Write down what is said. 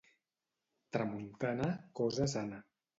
Tramuntana, cosa sana.